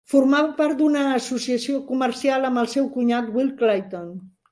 Formava part d'una associació comercial amb el seu cunyat Will Clayton.